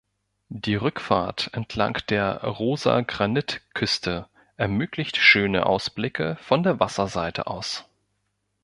Die Rückfahrt entlang der Rosa-Granit-Küste ermöglicht schöne Ausblicke von der Wasserseite aus.